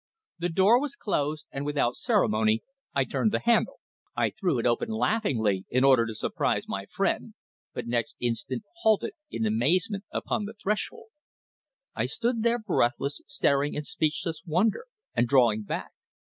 The door was closed, and without ceremony I turned the handle. I threw it open laughingly in order to surprise my friend, but next instant halted in amazement upon the threshold. I stood there breathless, staring in speechless wonder, and drawing back.